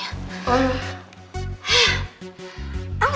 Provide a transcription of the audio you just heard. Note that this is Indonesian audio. mahal tau perawatannya